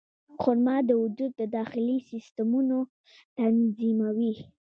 خرما د وجود د داخلي سیستمونو تنظیموي.